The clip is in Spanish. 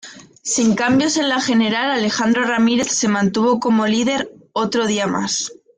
Sin cambios en la general, Alejandro Ramírez se mantuvo como líder otro día más.